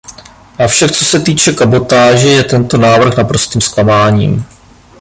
Avšak co se týče kabotáže, je tento návrh naprostým zklamáním.